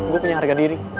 gue punya harga diri